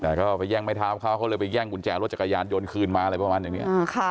แต่ก็ไปแย่งไม้เท้าเขาเขาเลยไปแย่งกุญแจรถจักรยานยนต์คืนมาอะไรประมาณอย่างนี้